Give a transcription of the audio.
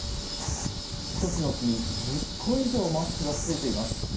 １つの木に１０個以上マスクがついています。